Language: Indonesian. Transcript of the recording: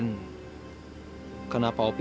kenapa opi salah ngertiin sayang aku ke dia